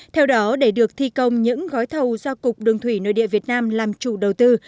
theo đó để được thi công những gói thầu do cục đường thủy nội địa việt nam làm chủ đầu tư